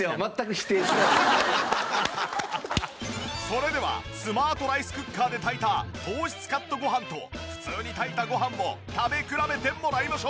それではスマートライスクッカーで炊いた糖質カットごはんと普通に炊いたごはんを食べ比べてもらいましょう！